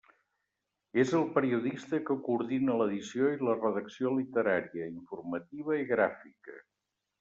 És el periodista que coordina l'edició i la redacció literària, informativa i gràfica.